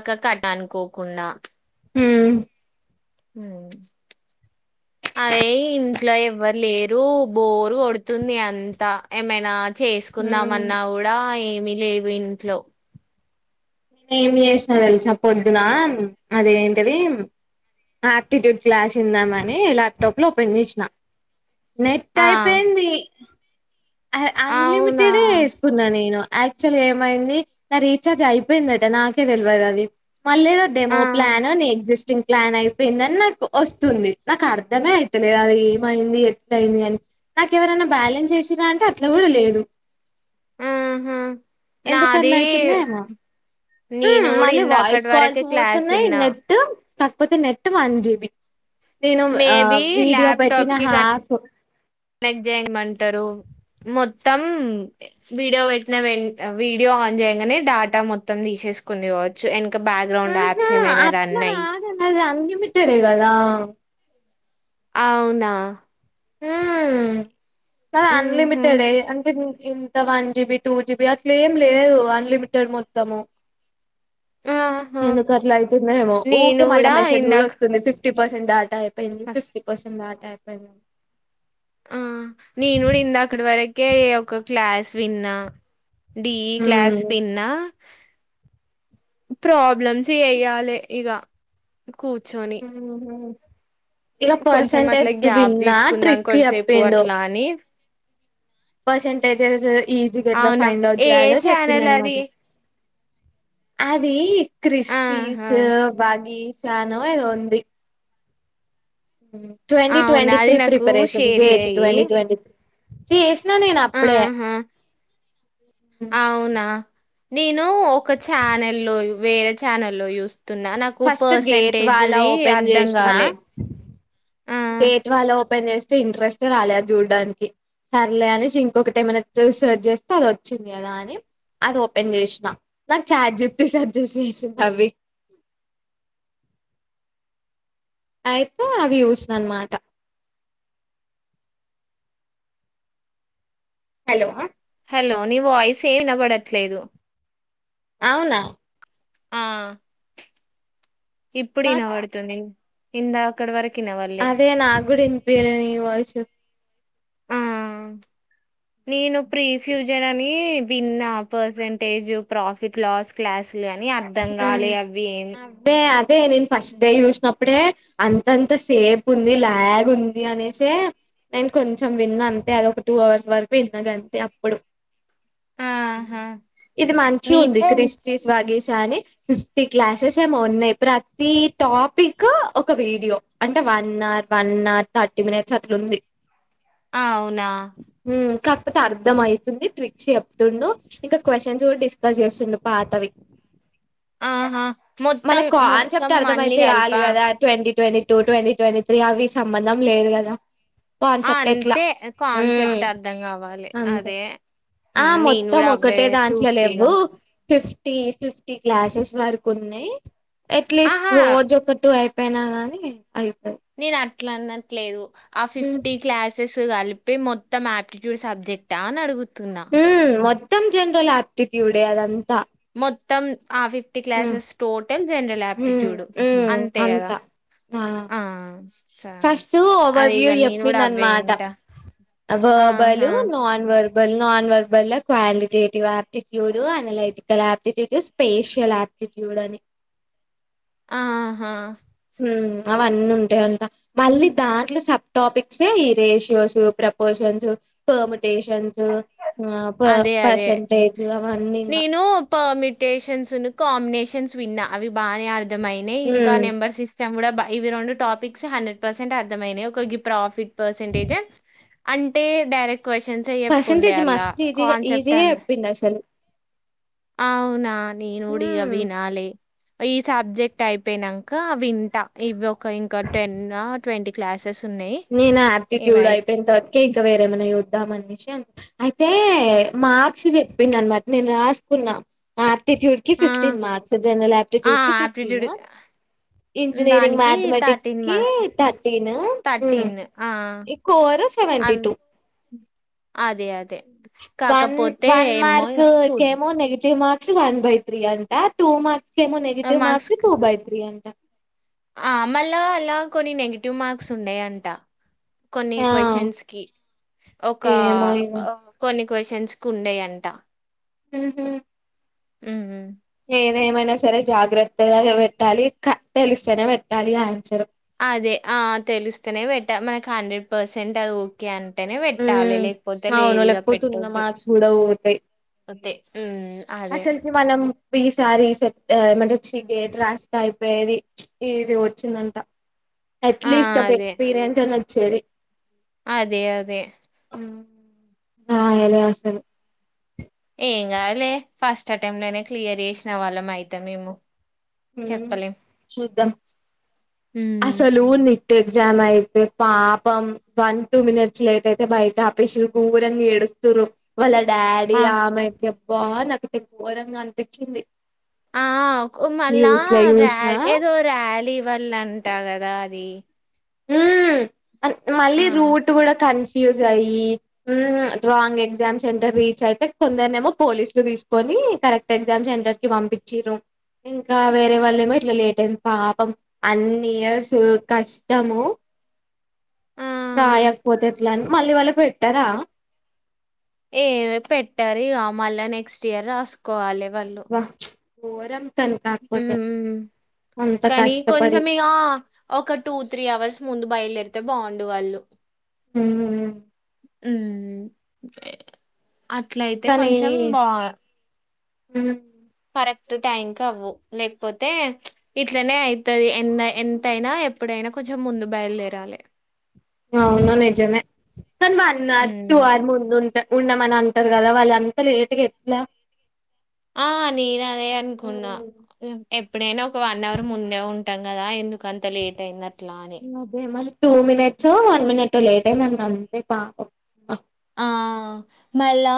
అక కట్ట అనుకోకుండా [unintelligible] ఉం [inaudible] అదే ఇంట్లో ఎవరు లేరు బోరు కొడుతుంది అంతా ఏమైనా హ్మ్ చేసుకుందామన్నా కూడా ఏమి లేవు ఇంట్లో ఏమ్ చేసిన తెలుసా పొద్దున అది ఏంటది ఆప్టిట్యూడ్ క్లాస్ ఇందాంమని ల్యాప్టాప్ లో ఓపెన్ చేసిన నెట్ ఆ అయిపోయింది అవునా అన్లిమిటెడ్ యే వేసుకున్నా నేను యాక్చువల్ ఏమైంది నా రీచార్జ్ అయిపో దట నాకే తెల్వదు అది మల్లేదో ఆ డెమో ప్లాన్ అని ఎగ్జిస్ట్ ప్లాన్ అయిపోయిందని నాకు వస్తుంది నాకు అర్థమే అయితలేదు అది ఏమైంది ఎట్లయింది అని నాకు ఎవరన్నా బ్యాలెన్స్ వేసిరా అంటే అట్లా కూడా లేదు ఆహా ఎందుకట్ల నాది అయితుందో ఏమో ఉం నేను కూడా మళ్ళీ వాయిస్ ఇందాకటి కాల్స్ వరకే క్లాస్ పోతున్నాయి విన్నా నెట్ కాకపోతే నెట్ వన్ జీబి నేను ఆ మేబి వీడియో పెట్టిన హ్యాఫ్ వెనక్ జయంగ్మంటారు [unintelligible] మొత్తం వీడియో పెట్టిన వె వీడియో ఆన్ చేయ్యంగనే డాటా మొత్తం తీసే కుంది కావచ్చు వెనక బ్యాక్గ్రౌండ్ ఉహూ యాప్స్ ఏమైనా రన్ అయ్ లిమిటెడ్ యే కదా అవునా ఉం మాది ఉహు అన్లిమిటెడ్ యే అంటే ఇంత వన్ జీబి టూ జీబి అట్ల ఏం లేదు అన్లిమిటెడ్ మొత్తము ఆహా ఎందుకు అట్లా అయితుందో ఏమో నేను ఊకె మళ్ళా కూడా మెసేజ్ కూడా ఇందాక వస్తుంది ఫిఫ్టీ పర్సెంట్ డాట అయిపో ఫస్ట్ ఫిఫ్టీ పర్సెంట్ డాటా అయిపోయింది ఆ నేను కూడా ఇందాకటి వరకే ఒక క్లాస్ విన్నా డిఈ క్లాస్ హ్మ్ విన్నా ప్రాబ్లమ్స్ చేయ్యాలి ఇగా కూర్చొని ఇక కొంచెం పర్సంటేజ్ అట్లా ది గ్యాప్ విన్నా తీసుకున్నాం ట్రిక్ కొద్దిసేపు చెప్పిండు అట్లా అని పర్సంటేజెస్ ఈజీగా ఎట్లా అవునా ఫైండ్ అవుట్ ఏ చేయాలో ఛానల్ చెప్పిన్డనమాట అది అది క్రిస్టిస్ ఆహా బాగీ సానో ఏదో ఉంది ట్వంటీ అవునా ట్వంటీ అది త్రీ నాకు ప్రిపరేషన్ షేర్ గేట్ చెయ్యి చేస్ సినా నేను అప్పుడే ఆహా అవునా నేను ఒక ఛానల్ల్లో వేరే ఛానల్లో యూస్ తున్నా నాకు ఫస్ట్ గేట్ పర్సంటేజ్ వాళ్ళ ది ఓపెన్ అర్ధం చేసిన కాలే గేట్ వాలా ఓపెన్ చేస్తే ఇంట్రెస్ట్ ఏ రాలే అది చూడ్డానికి సర్లే అనేసి ఇంకొకటేమన్న సర్చేస్తే అది వచ్చింది కదా అని అది ఓపెన్ చేసినా నాకు చాట్జిపిటీ సజజెస్ట్ చేసింది అవి అయితే అవి చూసిన అన్నమాట హలో లో నీ వాయిస్ ఏం వినబడట్లేదు అవునా ఆ ఇప్పుడు నాకు ఇనపడుతుంది ఇందాకటి వరకి అదే నాగుడ ఇన్పియలే నీ వాయిసు ఆ! నేను ప్రీఫ్యూజన్ అని విన్న పర్సంటేజ్ ప్రాఫిట్ లాస్ క్లాస్ కాని అర్థం కాలే అవి ఏం అదే అదే నేను ఫస్ట్ టె చూసినప్పుడే అంతంత సేపు ఉంది లాగ్ ఉంది అనేషే నేను కొంచెం విన్న అంతే అదోక టూ అవర్స్ వరకు విన్న గంతే అప్పుడు ఆహా! ఇది మంచిగుంది మీతో క్రిస్ట్స్ వగీస్ సా అని ఫిఫ్టీ క్లాసెస్ ఏమో ఉన్నాయి ప్రతి టాపిక్ ఒక వీడియో అంటే one hour one hour thirty minutes అట్లుంది ఆ అవునా కాకపోతే అర్థం అయితుంది ట్రిక్స్ చెప్తుండు ఇంకా క్వశ్చన్స్ కూడా డిస్కస్ చేస్తుండు పాతవి ఆహా మొత్తం మనక్ కాన్సెప్ట్ మొత్తం అన్ని అర్థమయితే చాల్ కలిపా కదా twenty twenty two twenty twenty three అవి సంబంధం లేదు కదా ఆ కాన్సెప్ట్ ఎట్లా అంతే ఉ కాన్సెప్ట్ అర్ధం కావాలి అంతే అదే ఆ ఉమ్, నేను మొత్తం కూడా అవే ఒకటే దాంట్ల చూస్తా ఇగ లెవ్వు ఫిఫ్టీ ఫిఫ్టీ క్లాసెస్ వరకు ఉన్నాయి అట్లీస్ట్ ఆహా రోజు ఒక టూ ఐ పోయినా గాని అయి ఇట్లా అన్నట్లేదు ఆ ఉమ్ ఫిఫ్టీ క్లాసెస్ కలిపి మొత్తం ఆప్టిట్యూడ్ సబ్జెక్టా అని అడుగుతున్నా మోత్తం జనరల్ ఆప్టిట్యూడే అదంతా మొత్తం ఆ ఫిఫ్టీ ఉమ్ క్లాసెస్ టోటల్ జనరల్ ఉమ్ ఆయాప్టిట్యూడ్ ఉమ్ అంతే కదా అంతా ఆ స ఫస్ట్ ఓవర్ అదే ఇగ వ్యూ నేను కూడా అవ్వే చెప్పిండనమాట ఇంటా వర్బల్ ఆహా నాన్ వెర్ వెర్బల్ నన్ వెర్బల్లా quantitative aptitude analytical aptitude spatial aptitude అని ఆహా హ్మ్ అవన్నీ ఉంటాయంట మళ్ళీ దాంట్లో సబ్ టాపిక్సే ఈ రేషియోస్ ప్రపోషన్స్ న్స్ పెర్మిటేషన్స్ ఆ ప అదే అదే పర్సంటేజ్ అవన్నీంగా టెషన్స్ ఉన్ను కాంబినేషన్స్ విన్నా అవి బానే అర్థమయినాయి ఇంకా నెంబర్ సిస్ స్టమ్స్ కూడా ఇవి రెండు టాపిక్స్ హండ్రెడ్ పర్సెంట్ అర్థమయినాయి ఒక ప్రాఫిట్ పర్సెంటేజ్ అంటే డైరెక్ట్ కొషన్స్ చెప్పుడే పర్సంటేజ్ అలా మస్త్ ఈజీగా చెప్పిండాషాలు అవునా నేనుగూడ ఇగ హ్మ్ వినలే ఈ సబ్జెక్ట్ అయిపోయినాక వింటా ఇవి ఒక ఇంకా టెన్ ఆ ట్వంటీ క్లాస్ నేనా ఆ ఆప్టిట్యూడ్ అయిపోయింతర్వాతకే ఇంక వేరే ఏమన్నా యద్ధామని అయితే మార్క్స్ చెప్పింది అనమాట నేను రాసుకున్నా ఎ ఆ! ఫఫటీన్ మార్క్స్ ఆ! జనల్ట్యూడ్కి ఫిఫ్టీను ఆప్టిట్యూడ్ ఇంజనీరింగ్ దానికి మ్యాథమెటిక్స్ కి థర్టీన్ న్ ఆ కోర్ సెవెంటీ అవి టూ వన్ వన్ ఏమో మార్క్ ఇగ చూద్దాం కేమో negative mark one by three అంట టూ మార్క్స్ ఏమో negative marks two by three అంట ఆ మళ అలా కొన్ని నెగటివ్ మార్క్స్ ఉండయంట కొన్ని ఆ కొషన్స్కి ఒక ఏమో ఇగ కొన్ని కొషన్స్కు ఉండేయంట ఉహామ్ ఉ ఏది ఏమైనా సరే జాగ్రత్తగా పెట్టాలి తెలిస్తేనే పెట్టాలి ఆన్సరు అదే ఆ తెలుస్తనే పెట్ట మనకి హండ్రెడ్ పర్సెంట్ అది ఓకే అ ఉంటేనే పెట్టాలి ఉమ్ లేకపోతే అవును లేధిగా లేకపోతే ఉన్న పెట్టొద్దు మార్క్స్ కూడా అతే అసల్కి మనం ఈసారి సె చి గేట్ రాస్తే అయిపోయేది ఈజీగా వచ్చిందంట ఆ అట్లీస్ట్ ఒక అదే ఎక్స్పీరియన్స్ అన్న వచ్చేది అదే అదే రాయలె ఆసలు ఏం కాదులే ఫస్ట్ అటెంప్ట్ లోనే క్లియర్ చేసిన వాళ్ళం ఐతం మేమో హ్మ్ చూద్దాం ఉమ్ అసలుని ఎగ్జామ్ అయితే పాపం వన్ ట్వ మినిట్స్ లేట్ అయితే బయట ఆపేసి దూరంగా ఏడ్ స్తురు వాళ్ళ డాడీ ఆ ఆమెతే బా నాకు ఘోరంగా అనిపించింది ఆ మళ్ళా న్యూస్ లో రేల్ చూసినా ఏదో ర్యాలీ వళ్ళ అంటా కదా అది హమ్ ఆ మళ్ళీ రూట్ కూడా కని ఫ్యూజ్ అయ్యి హ్మ్ రౌంగ్ ఎగ్జామ్స్ సెంటర్ రీచ్ అయితే కొందరునే ఏమో పోలీసులు తీసుకొని కరెక్ట్ ఎక్సమ్ సెంటర్కి పంపిచ్చిరు ఇంకా వేరే వాళ్ళేమో ఇట్లా లేట్ అయింది పాపం అన్ని ఇయర్స్ కాస్ తము ఆ రాయకపోతే ఎట్లా అని మళ్ళీ వాళ్ళకు పెట్టరా ఏ పెట్టారు ఇక మళ్ళా నెక్స్ట్ ఇయర్ రాసుకోవాలి బా గోరం హ్మ్ అంత కానీ కష్టపడి కొంచెం ఇగా ఒక టూ త్రీ అవర్స్ ముందు బయలుదేర్తే బాగుండు వాళ్ళు ఉమ్ హ్మ్ అట్ల అయితే కానీ కొంచెం బా హ్మ్ కరెక్ట్ టైంకీ అవావ్ లేకపోతే ఇట్లనే ఐతది ఎంత ఎంతయినా ఎప్పుడ అయినా కొంచెం ముందు బయలుదేరాలి అవును నిజమే కానీ వన్ అవర్ టూ ఉమ్ అవర్ ముందు ఉంట ఉన్నామని అంటారు కదా వాళ్ళు అంతా లేట్ గా ఎట్లా ఆ నేను అదే అనుకున్నా ఉమ్ ఎప్పుడైనా ఒక వన్ అవర్ ముందే ఉంటాం కదా ఎందుకు అంత లేట్ అయింద అదే మరీ టూ మినిట్సో వన్ మినిట్ లేట్ అయిందండి అంతే పాపం ఆ మళ్ళా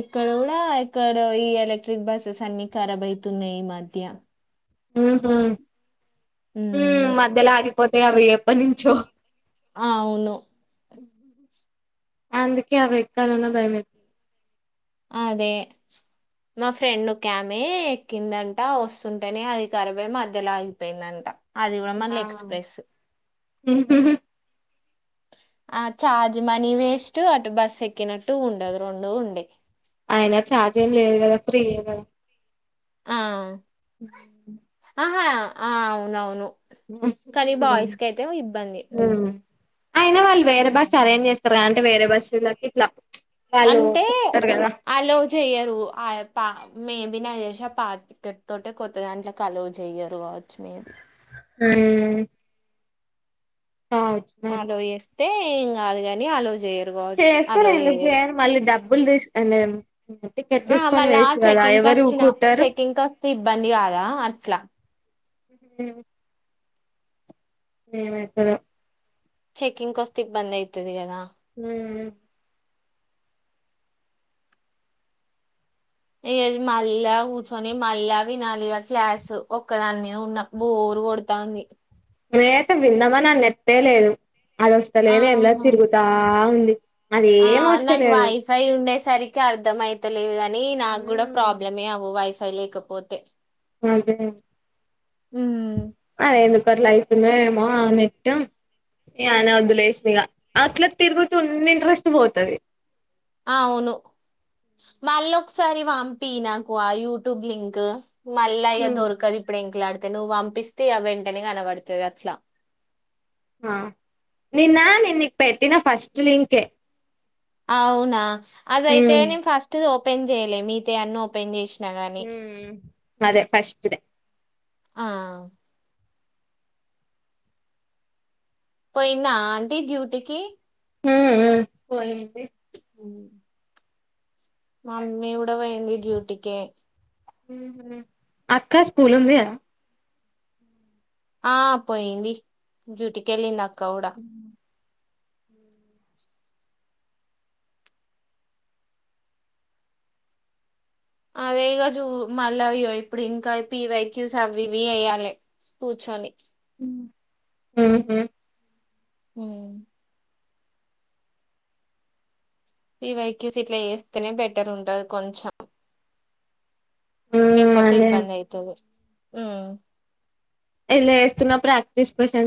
ఇక్కడ కూడా ఇక్కడ ఈ ఎలక్ట్రిక్ బస్సెస్ అన్ని క కరాబైతున్నాయ్ ఈ మధ్య ఊహు ఊ హ్మ్. మధ్యలో ఆగిపోతే అవి ఎప్పటి నుంచో ఆ అవును. అందుకే అవి ఎక్కాలన్నా భయం ఎత్ అదే మా ఫ్రెండ్ ఒక ఆమె ఎక్కిందంట వస్తుంటేనే అది కరాబై మధ్యలో ఆగిపోయిందంట. అదిగో మల్లీ ఆ ఎక్స్ప్రెస్ ఆ చార్జ్ మనీ వేస్ట్ అటు బస్ ఎకినట్టు ఉండదు రెండు ఉండెయ్ అయినా ఛార్జ్ ఏం లేదు కదా ఫ్రీయే కదా ఆ హు ఆహా ఆ అవునవును కానీ బాయ్స్ కైతే ఇబ్బంది ఉమ్ అయినా వాళ్ళు వేరే బస్సు హ్మ్. అరేంజ్ చేస్తారూ అంటే వేరే బస్సులకి ఇట్లా వాళ్ళు అంటే చెప్తారు కదా అలో చెయ్యరు ఆయ్ పా మే వినదేష పాత్టికెటెతోటే కొత్త దాంట్లోకి అలో చెయ్యరు కావచ్చు మేబీ ఉమ్ అలో చేస్తే ఏం కాదు కాని అలో చె చేస్తారు ఎందుకు చేయ్యరు మళ్ళీ డబ్బులు తీసుకుంటా టికెట్ ఆ! తీసుకని మళ్ళా వేస్ట్ కదా ఎవరు చెకింగ్‌కొచ్చిన కుట్టారు చెకింగ్‌కొస్తే ఇబ్బంది కాదా? అట్లా. ఉ ఏమైతదో చెకింగ్ కోస్తే ఇబ్బంది ఐతది కదా ఉమ్ ఉ ఇక మళ్ళా కూర్చొని మళ్ళా వినాలి ఇగ క్లాసు ఒక్కదాన్ని ఉన్న బోర్ కొడతాంది. [unintelligible] విందామని న్నెట్టే లేదు అది వస్తలేదు ఏమిలేద్ ఆహా! తిరుగుతా ఉంది. అది ఆ ఏం నాకు వస్తలేదు వైఫై ఉండేస్ సరికి అర్ధం అయితలేదు కాని నాకు కూడా ప్రాబ్లమే అవవు వైఫై లేకపోతే మంచిదే ఉమ్ పర్ల అయితుంది ఏమో నెట్ ఐన వద్దులేస్తే ఇక అట్లా తిరుగుతున్న ఇంట్రెస్ట్ పోతది. ఆ అవును. మళ్ళా ఒకసారి పంపి నాకు ఆ యూట్యూబ్ లింక్ మళ్లా ఇగ దొర్కదు ఇప్పుడెంకలా నువ్వు పంపిస్తే ఇక వెంటనే కనబడతది అట్లా ఆ నిన్న నేన్నీక్ పెట్టిన ఫస్ట్ లింకే అవునా అదయితే నేను ఫస్ట్ ఓపెన్ చెయ్యలే మీయితా అన్న ఓపెన్ చేస్ ఉహ్మ్ అదే ఫస్ట్ దే ఆ పోయిందా ఆంటీ డ్యూటీకి ఉ ఉ పోయింది మమ్మీ కూడా పోయింది డ్యూటీకి ఉహు అక్క స్కూల్ ఉంది కదా ఆ పోయింది డ్యూటీకి వెళ్ళింది అక్ ఉ అదే ఇగ చూ మళ్ళ ఇగో ఇప్పుడు ఇంకా పీవైక్యూస్ అవి ఇవి చెయ్యాలి కూర్చొని ఊహు ఉ పీవైక్యూస్ ఇట్లా చేస్తేనే బెటర్ ఉంటది కొంచెం లేెకపోతే అదే ఇబ్బంది అయితది ఎట్ల చేస్తున్నవ్ ప్రాక్టీీస్ క్వెస్టన్స్